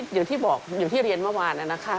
อย่างที่บอกอยู่ที่เรียนเมื่อวานน่ะนะคะ